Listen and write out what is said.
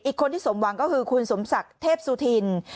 อีกคนที่สมหวังก็คือคุณสมศักดิ์เทพสุธิน